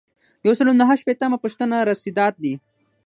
یو سل او نهه شپیتمه پوښتنه رسیدات دي.